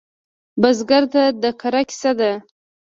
بزګر ته د کر کیسه ده